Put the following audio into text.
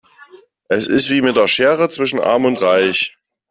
Es ist wie mit der Schere zwischen arm und reich.